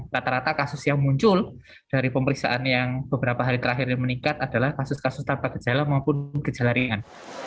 lata rata kasus yang muncul dari pemeriksaan yang beberapa hari terakhir ini meningkat adalah kasus kasus tanpa kejalan maupun kejalarian